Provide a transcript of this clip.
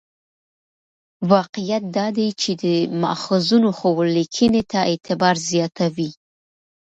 واقعیت دا دی چې د ماخذونو ښوول لیکنې ته اعتبار زیاتوي.